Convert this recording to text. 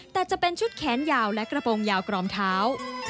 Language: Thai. แต่จะเป็นชุดแขนยาวและกระโปรงยาวกรอมเท้า